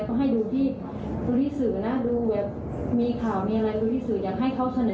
เขาให้ดูที่ดูที่สื่อนะดูแบบมีข่าวมีอะไรตรงนี้สื่ออยากให้เขาเสนอ